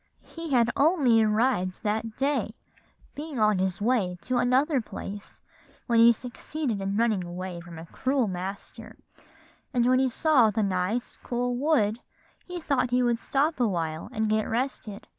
And he had only arrived that day, being on his way to another place when he succeeded in running away from a cruel master; and when he saw the nice cool wood, he thought he would stop awhile and get rested.